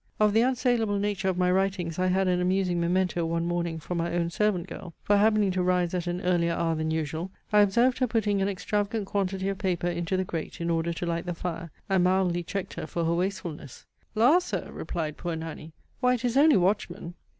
Of the unsaleable nature of my writings I had an amusing memento one morning from our own servant girl. For happening to rise at an earlier hour than usual, I observed her putting an extravagant quantity of paper into the grate in order to light the fire, and mildly checked her for her wastefulness; "La, Sir!" (replied poor Nanny) "why, it is only Watchmen."